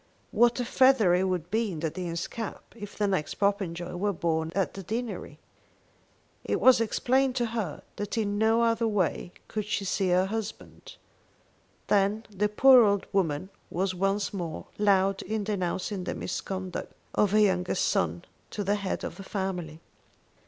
What a feather it would be in the Dean's cap if the next Popenjoy were born at the deanery. It was explained to her that in no other way could she see her husband. Then the poor old woman was once more loud in denouncing the misconduct of her youngest son to the head of the family.